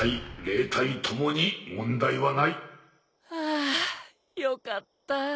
ああよかった。